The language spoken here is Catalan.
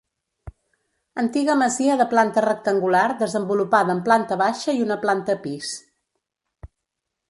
Antiga masia de planta rectangular desenvolupada en planta baixa i una planta pis.